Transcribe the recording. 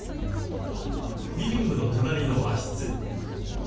リビングの隣の和室。